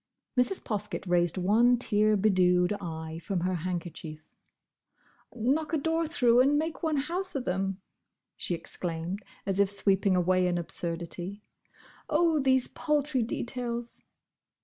Mrs. Poskett raised one tear bedewed eye from her handkerchief. "Knock a door through and make one house of them!" she exclaimed, as if sweeping away an absurdity. "Oh, these paltry details!"